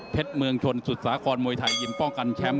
เมืองชนสุดสาครมวยไทยยิมป้องกันแชมป์